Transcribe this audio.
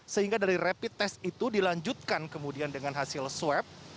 sehingga dari rapid test itu dilanjutkan kemudian dengan hasil swab